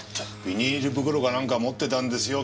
ビニール袋かなんか持ってたんですよ